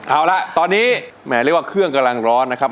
เอาละตอนนี้แหมเรียกว่าเครื่องกำลังร้อนนะครับ